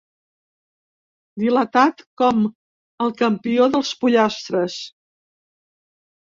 Dilatat com el campió dels pollastres.